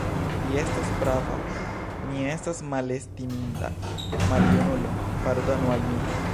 Vi estas prava, mi estas malestiminda maljunulo; pardonu al mi.